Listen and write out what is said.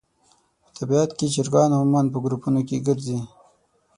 په طبیعت کې چرګان عموماً په ګروپونو کې ګرځي.